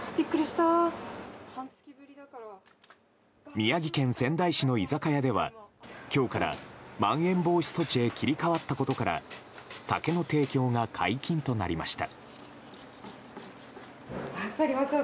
宮城県仙台市の居酒屋では今日から、まん延防止措置へ切り替わったことから酒の提供が解禁となりました。